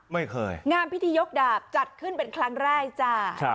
ไม่เคยงานพิธียกดาบจัดขึ้นเป็นครั้งแรกจ้า